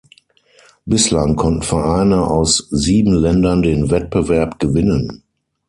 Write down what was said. Bislang konnten Vereine aus sieben Ländern den Wettbewerb gewinnen.